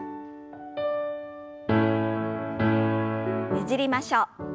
ねじりましょう。